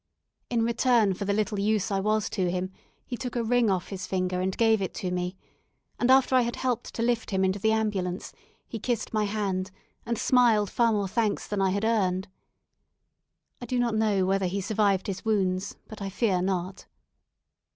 In return for the little use I was to him, he took a ring off his finger and gave it to me, and after I had helped to lift him into the ambulance he kissed my hand and smiled far more thanks than I had earned. I do not know whether he survived his wounds, but I fear not.